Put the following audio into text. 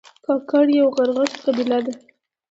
کاکړ یو غرغښت قبیله ده